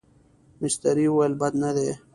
مستري وویل بد نه دي.